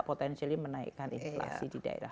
potensi menaikkan inflasi di daerah